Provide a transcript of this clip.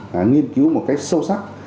nghiên cứu một cách sâu sắc